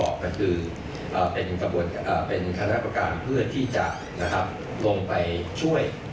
ก็คือเป็นคณะประการเพื่อที่จะลงไปช่วย